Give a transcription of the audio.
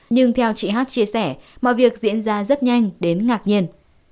nhưng theo chị hát chia sẻ mọi việc diễn ra rất nhanh đến ngạc nhiên